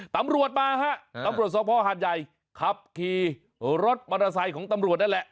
ตำรวจส่องพ่อฮาดใหญ่ขับขี่รถปาราศัยของตำรวจนั่นแหละ